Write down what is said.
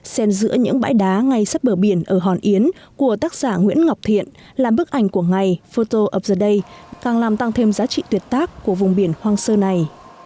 xen giữa những bãi đá ngay sắp bờ biển ở hòn yến của tác giả nguyễn ngọc thiện làm bức ảnh của ngày photo of therday càng làm tăng thêm giá trị tuyệt tác của vùng biển hoang sơ này